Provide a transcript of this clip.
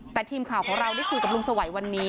แต่ทีมข่าวของเราได้คุยกับลุงสวัยวันนี้